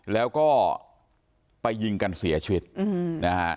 แล้วก็ไปยิงกันเสียชีวิตนะฮะ